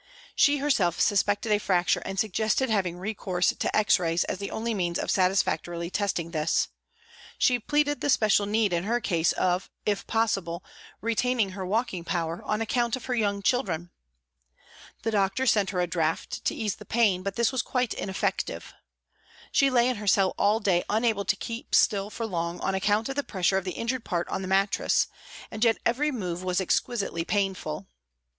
She herself suspected a fracture and sug gested having recourse to X rays as the only means of satisfactorily testing this. She pleaded the special need in her case of, if possible, retaining her walking power on account of her young children. The doctor sent her a draught to ease the pain, but this was quite ineffective. She lay in her cell all day unable to keep still for long on account of the pressure of the injured part on the mattress, and yet every move was exquisitely painful.